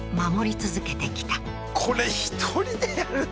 これ１人でやるの？